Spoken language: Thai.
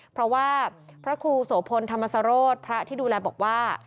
เพราะว่าพระครูโสพลธรรมสโรธพระที่ดูแลบอกว่า